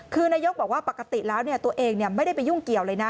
คือนายกบอกว่าปกติแล้วตัวเองไม่ได้ไปยุ่งเกี่ยวเลยนะ